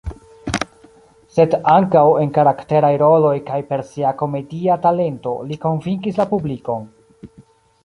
Sed ankaŭ en karakteraj roloj kaj per sia komedia talento li konvinkis la publikon.